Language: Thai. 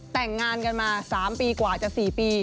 แต่งงานกันมา๓ปีกว่าจะ๔ปี